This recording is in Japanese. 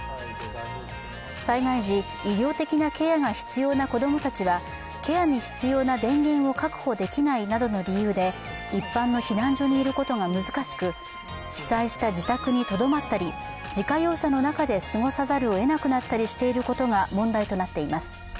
災害時、医療的なケアが必要な子供たちは、ケアに必要な電源を確保できないなどの理由で一般の避難所にいることが難しく被災した自宅にとどまったり自家用車の中で過ごさざるをえなくなっていることが問題となっています。